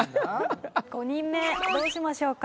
５人目どうしましょうか？